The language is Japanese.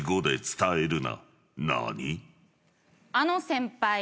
あの先輩